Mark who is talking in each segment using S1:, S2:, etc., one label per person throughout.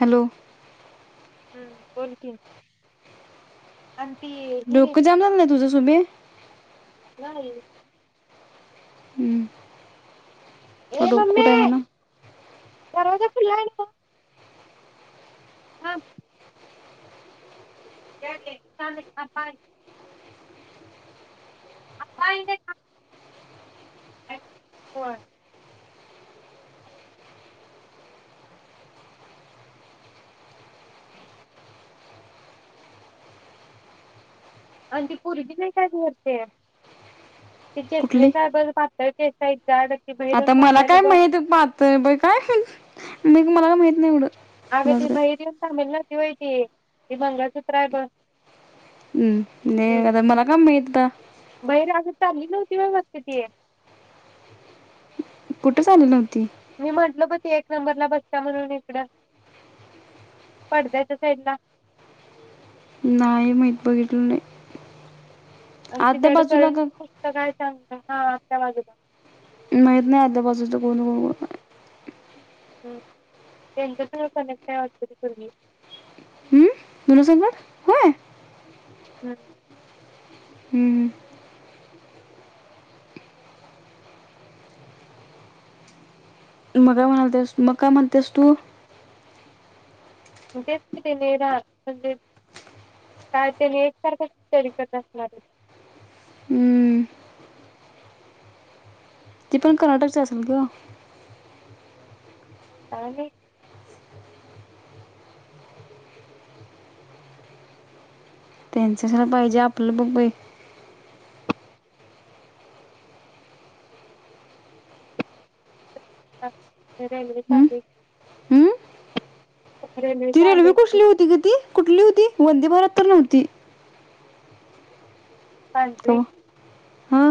S1: Hello.
S2: हम्म बोल की. आणि ती ही
S1: डोकं जाम झाल नाई तुझ सुमे?
S2: नाई.
S1: हम्म. तुला
S2: ए
S1: डोक
S2: मम्मी
S1: कुठ हाय म्हना.
S2: दरवाजा खुल्ला हाय न तो? हां. [unintelligible] [unintelligible] [unintelligible] होय. अन ती पोरगी नाय काय वरते? ती चसमिस हाय बरं पा त ते साईड
S1: आत्ता मला काय माहीत पातळ? बाई काय मी मला माहीत नाही येवढं.
S2: आग ती बाहेर येऊन थांबेल ना. ती व्हय ती, ते मंगळसूत्र हाय बघ.
S1: हम्म
S2: ती
S1: नाई आता मला काय माहित ता
S2: किती वेळ बसते ती.
S1: कुठंच आली नव्हती.
S2: मी म्हंटल पण ती एक नंबरला बसत्या म्हणून इकडं पडद्याच्या साईडला.
S1: नाही माहित बघीतल नाही.
S2: अग
S1: आतल्या
S2: तिच्याकड
S1: बाजूला
S2: करंट
S1: का
S2: पुस्तक आहे चांगलं. हा आतल्या बाजूला.
S1: माहित नाही आतल्या बाजूच कोण? [unintelligible]
S2: हम्म त्यांच्या संग कनेक्ट हाय वाटतं ती पोरगी.
S1: कुणा संगट? होय!
S2: हम्म.
S1: हम्म हम्म. मग काय म्हणालतेस, मग काय म्हणतेस तु?
S2: म तेेच की तेन हा, म्हणजे काय त्याने एकसारख तरी करत असणार.
S1: हम्म, ती पण कर्नाटकच असल गं
S2: काय माहित
S1: त्यांच्या जा पाहिजे आपलं बघ बाई
S2: रेल्वे
S1: हम्म
S2: चालली. रेल्वे
S1: यी
S2: चालली की
S1: कसली होती गं ती कुठली होती वंदे भारत तर नव्हती का
S2: पांढरी
S1: व? हा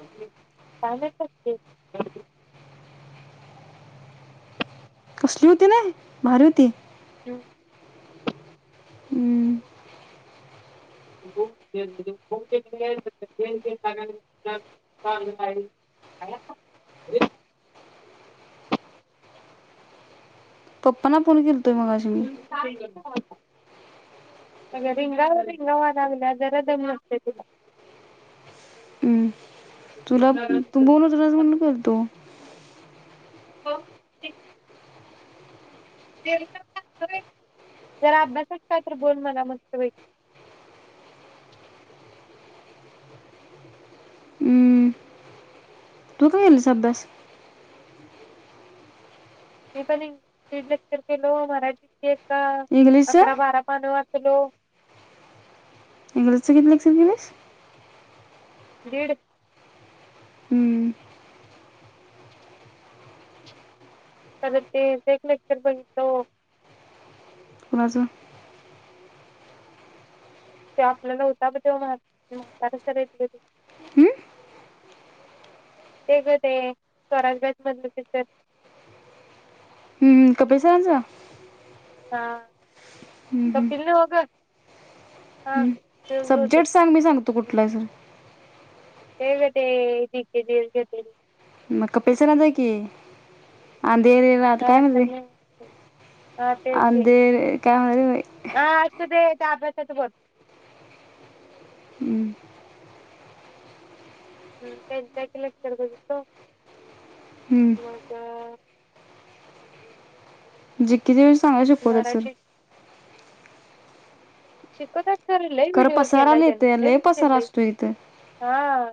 S2: काय माहित कसली, [unintelligible]
S1: कसली होती नाय भारी होती.
S2: हूं
S1: हम्म.
S2: [inaudible]
S1: पप्पा ना फोन केल
S2: [unintelligible] अ रिंगावर रिंगावा लागल्या जरा दम नसतोय तुला
S1: हम्म. तुला तू बोलतं होतास म्हणुन बोलतो.
S2: हो जरा अभ्यासच काय तर बोल म्हणा मस्त बैकी
S1: हम्म. तू काय केलंस अभ्यास
S2: मी पण [unintelligible] महाराज
S1: इंग्लिशचा
S2: अकरा बारा पान वाच हॅलो
S1: इंग्लिशचं किती लेक्चर इंग्लिश केलंस
S2: दीड
S1: हम्म
S2: त्याल ते ते एक लेक्चर बघितलो
S1: म अजून
S2: ते आपल्याला होता ब तेव्हा म्हातारा [unintelligible]
S1: हम्म?
S2: ते गते स्वराजगज मधलं तिच
S1: हम्म कपिल सरांचा
S2: हा
S1: हम्म, हम्म,
S2: कपिल नव्ह ग हा
S1: हम्म.
S2: ते होते
S1: सब्जेक्ट सांग मी सांगतो कुठला सर
S2: हे ग ते [unintelligible]
S1: मग कपिल सरांचा हाय की आण ते दे रात काय म्हणले
S2: लक्षात नाही हा तेच ते
S1: अंदे काय माहिती बाय
S2: हा असू दे त्या अभ्यासाच बोल
S1: हम्म,
S2: ह त्याच एक लेक्चर बघितलो
S1: हम्म.
S2: म ग
S1: जी कीलस चागलं शिकवतात सर
S2: मराठी शिकत आहे तर लई
S1: खरं
S2: विडिओस गेलाय
S1: पसाराला येतय लय पसारा
S2: तेन
S1: असतो इथं
S2: [unintelligible] हा.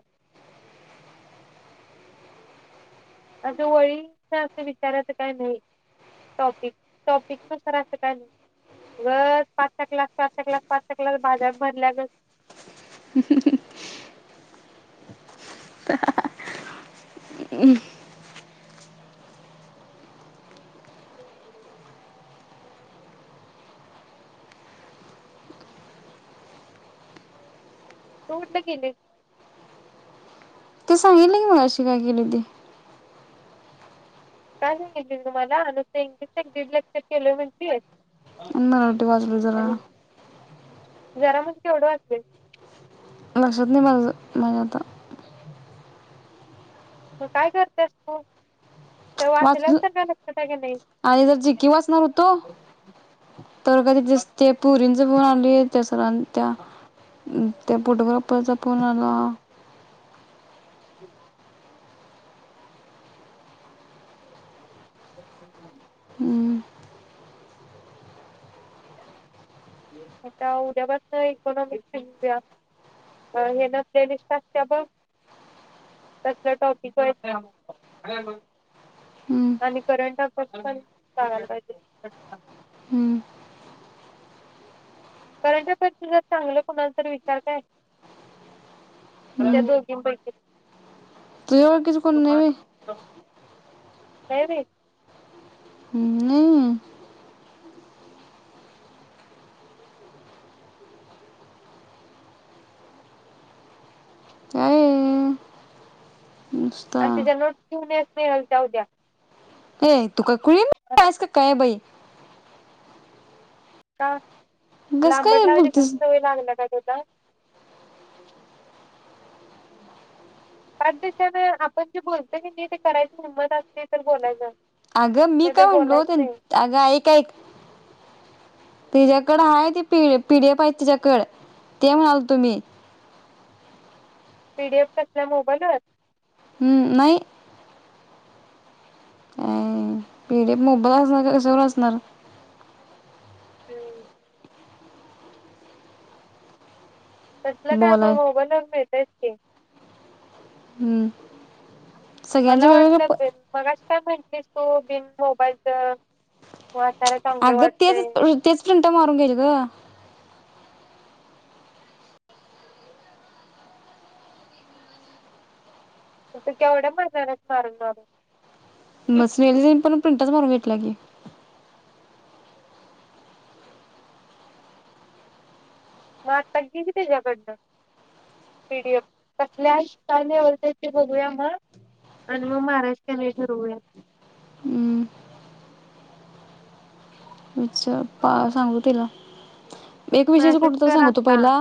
S2: असं वळी असं विचारायचं काय नाही टॉपिक टॉपिक नुसारचं काय ग पाचचा क्लास, पाचचा क्लास, पाचचा क्लास बाजप भरल्या ग तोडलं केेले.
S1: ते सांगेल की मग अशी काय केलीती?
S2: काय सांगायचा तुम्हाला नुस्ता इंग्लिशचा एक दीड लेक्चर केलं म्हतीय.
S1: अण्णा राउटी वाजलो जरा
S2: जरा मग केवढं असेल?
S1: लक्षात नाही मजा नाही आता.
S2: मग काय करतेस तू? ते
S1: वाच
S2: वाचल्याला तर काय लक्षात आहे की नाही
S1: आणि जर चिक्की वाचणार होतो तर कधी जस ते पुरी ना जगु आणलीय त्या सरांनी त्या अ त्या फोटोग्राफरचा फोन आला.
S2: ह [inaudible]
S1: हम्म
S2: आता उद्या बास ना इकोनॉमिक्या हे ना प्लेलिस्ट असते बघ त्याचा टॉपिक आहे
S1: हम्म
S2: आणि करंट अफेयर्स पण सांगायला पाहिजे.
S1: हम्म
S2: कारण त्या प तुझ चांगलं कुणाला तर विचार काय त्या दोन-तीन पैकी
S1: तुझा बाकीचे कोण नाय बाई.
S2: काय रे
S1: हम्म नाय आहे. काय नुसता
S2: आणि तिच्या नोट. [unintelligible] मिळेल काय उद्या?
S1: तेय तु ककुडीन असतं काय बाई?
S2: चार
S1: कस काय
S2: लांबडलाय
S1: बोलतीस
S2: [unintelligible] वेय लागला बाई. हो दाय पाच दिवसाने आपण जे बोलतो की नाही ते करायची हिंमत असते तर बोलायला.
S1: अगं मी काय म्हणलो तेन अगं आईक आईक तिच्याकडे हाय ती पि पी डी एफ हाय तिच्यायकडे ते म्हणाल तो मी
S2: पी डी एफ कसल्या मोबाईलवर?
S1: हम्म नाही. अ पी डी एफ मोबाईल असणार कशावर असणार?
S2: तसलं काय म
S1: बोलाय
S2: मोबाईल नाय मिळत. तेच की
S1: हम्म. सगळ्यांच्या
S2: मला
S1: वेगवेगळ्या प
S2: वाटत मग काय म्हणलीस तू बिन मोबाईलचा
S1: अगं तेच तेच फिंट मारून घ्यायच ग
S2: तू केवढ्या मरणारच मारून मारू
S1: म स्नील पण प्रिंटच मारून भेटला के
S2: मग आता गेली त्याच्याकडनं पीडीएफ कसल्यानेवरते ते बघूया मग आणि मग महाराष्ट्रने ठरवूया
S1: हम्म विच सांगू तिला एक विषयच
S2: मेसेज
S1: कुठ तर
S2: कर
S1: सांगू तू
S2: आता
S1: पहिला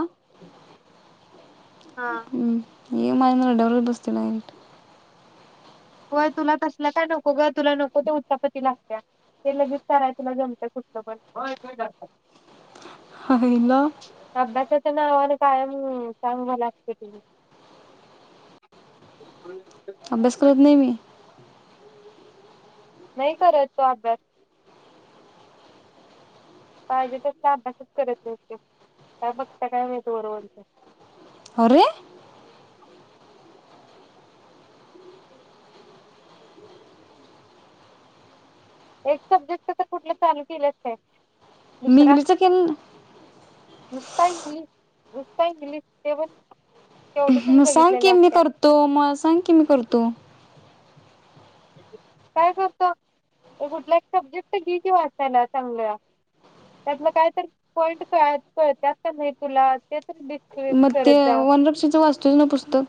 S2: हा
S1: हम्म ये मायंद रडव बस्तला
S2: होय तुला तसल्या काय नको ग तुला नको ते उत्तापती लागत्या ते लगेच कराय तुला जमतं कुटलं पण
S1: हला
S2: अभ्यासाच्या नावानं कायम काांग मलाते तु
S1: अभ्यास करत नाही मी
S2: नाही करत तो आब्यास पाहिजे तस अभ्यासच करत नव्हतते का बघता काय माहित वर वरच
S1: अरे
S2: एक सब्जेक्टच तर कुठलं चालू केल्यास काय दुसरा
S1: मिग्लीच केलेन
S2: नुसता इंग्लिश नुसता इंग्लिश तेवण
S1: सांग की मी करतो मला सांग की मी करतो
S2: काय करतो कुठला एक सब्जेक्ट घे की वाचायला चांगल त्यातलं कायतरी पॉइंट त्यात नाही तुला ते डिस्कस
S1: मग ते
S2: करत जा
S1: वनरक्षेचं वाचतोस ना पुस्तक?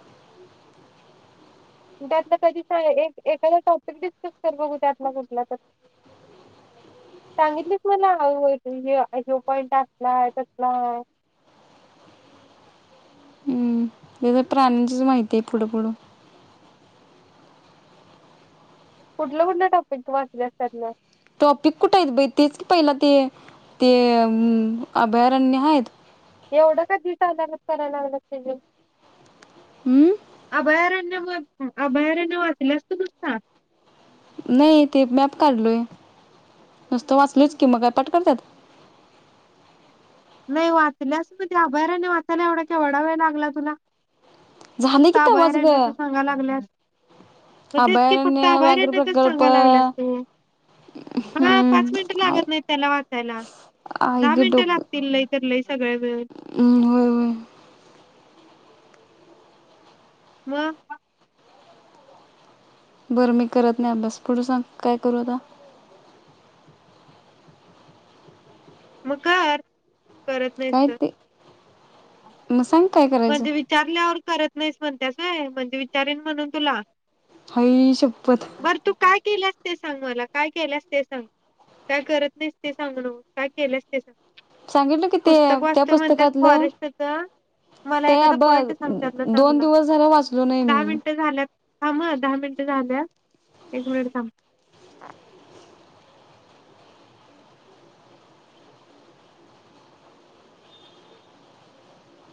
S2: त्यातलं कधी एखादा टॉपिक डिस्कस कर बघू त्यातला कुठला तर, सांगितलीच मला ह ह पॉइंट असला आहे तसला आहे.
S1: प्राणीचीच माहिती आहे फुड फूड.
S2: कुठल्या कुठल्या टॉपिक वाचल्यास त्यातल
S1: टॉपिक कुठे आहेत. बाई तेच पहिला ते ते मम अभयारण्य आहेत.
S2: एवढं का झिट आल्या गत करल्यास तेजल.
S1: हम्म
S2: अभयार म बायार आभयारण्य वाचल्यास तु नुसता.
S1: नाही ते मॅप काढलोय नुस्त वाचलोच की म काय पाठ करत्यात.
S2: नाही वाचल्यास, म ते अभयारने वाचायला एवढा केवढा वेळ लागला तुला
S1: झाले
S2: फक्त
S1: की तवाच ग
S2: आभायारण्याच सांगाय लागल्यास मग तेच की फक्त
S1: अभयारण्य व्याघ्र
S2: आभयआरण्याचच
S1: प्रकल्प
S2: सांगायला लागल्यास तू म पाच मिनट
S1: हम्म आय
S2: लागत नाही त्याला वाचायला दहा मिनिटं लाग लई तर लई सगळ्या मिळून
S1: उम्म होय होय.
S2: [unintelligible]
S1: बरं मी करत नाही अभ्यास पुढे सांग काय करू आता
S2: [unintelligible] कारत नाहीस
S1: काय
S2: तर
S1: ते मग सांग काय करायचं
S2: म्हणजे विचारल्यावर करत. नाहीस म्हण त्यास आहे म्हणजे विचारन म्हणून तुला
S1: हाई शपत
S2: बरं तू काय केल्यास ते सांग मला काय केल्यास ते सांग काय करत नाहीस ते सांगु नको. केल्यास ते सा
S1: सांगितल किती ते त्या
S2: म्हणत्यास
S1: पुस्तकातलं
S2: फॉरेस्टच मला
S1: ते
S2: एखादा
S1: बघ
S2: पॉईंट सांग त्यातला
S1: दोन
S2: चांगला
S1: दिवस झाला वाचलो नाही
S2: दहा
S1: मी
S2: मिनिटं झाल्यात थांब ह दहा मिनिट झा द्या एक मिनिट थांब.
S1: ह.